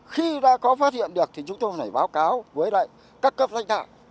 khi đã có phát hiện được thì chúng tôi phải báo cáo với lại các cấp thanh thạc